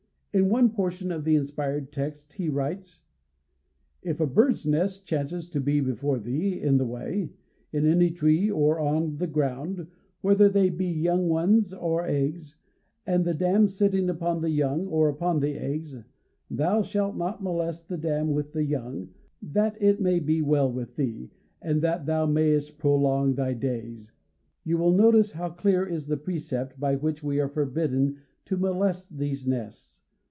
In one portion of the inspired text he writes: "If a bird's nest chances to be before thee in the way, in any tree, or on the ground, whether they be young ones or eggs, and the dam sitting upon the young, or upon the eggs, thou shalt not molest the dam with the young, that it may be well with thee, and that thou mayest prolong thy days." You will notice how clear is the precept by which we are forbidden to molest these nests.